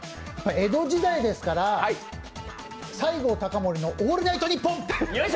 江戸時代ですから、西郷隆盛のオールナイトニッポン！